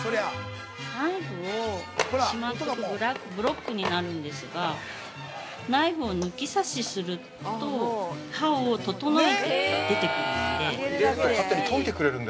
◆ナイフをしまってるブロックになるんですが、ナイフを抜き差しすると刃をととのえて出てくるんで。